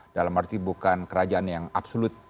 dalam arti bukan kerajaan yang absolut